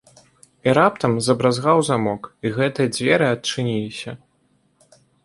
І раптам забразгаў замок, і гэтыя дзверы адчыніліся.